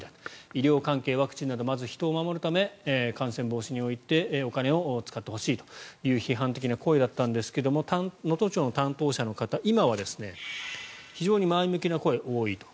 医療関係、ワクチンなどまず人を守るため感染防止にお金を使ってほしいという批判的な声だったんですが能登町の担当者の方今は非常に前向きな声が多いと。